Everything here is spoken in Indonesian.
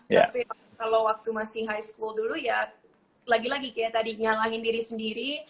tapi kalau waktu masih high school dulu ya lagi lagi kayak tadi nyalahin diri sendiri